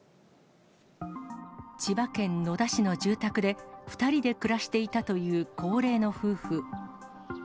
千葉県野田市の住宅で、２人で暮らしていたという高齢の夫婦。